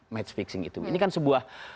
match fixing itu ini kan sebuah